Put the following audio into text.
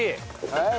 はい！